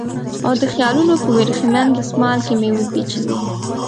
او د خیالونو په وریښمین دسمال کې مې وپېچلې